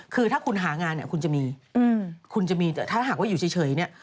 คือถ้าคุณหางานคุณจะมีถ้าหากว่าอยู่เฉยนี่